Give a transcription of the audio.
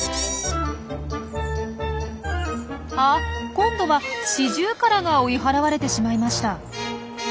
あ今度はシジュウカラが追い払われてしまいました。